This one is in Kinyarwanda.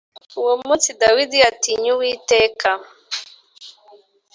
Uwo munsi Dawidi atinya Uwiteka.